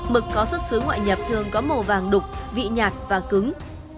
mực có xuất xứ ngoại nhập thường có màu vàng đục vị nhạt và cứng